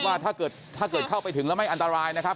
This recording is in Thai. ว่าถ้าเกิดถ้าเกิดเข้าไปถึงแล้วไม่อันตรายนะครับ